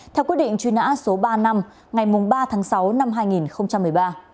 theo quyết định truy nã số ba năm ngày ba tháng sáu năm hai nghìn một mươi ba